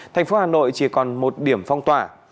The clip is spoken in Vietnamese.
thành phố hà nội chỉ còn một điểm phong tỏa